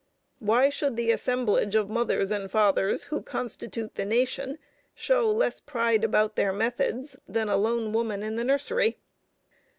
Why should the assemblage of mothers and fathers who constitute the nation show less pride about their methods than a lone woman in the nursery?